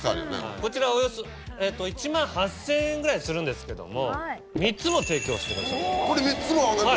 こちらおよそ１万８０００円ぐらいするんですけども３つも提供してくださった。